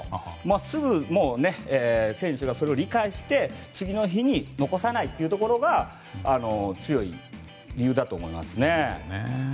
すぐ、選手がそれを理解して次の日に残さないというところが強い理由だと思いますね。